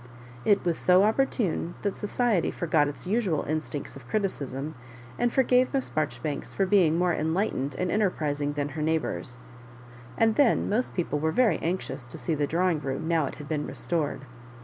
It was so opportune that society forgot its usual instincts of criticism, and forgave Miss Marjori banks for being more enlightened and enterpris ing than her neighbours ; and then most people were very anxious to see the drawing room, now it had been restored.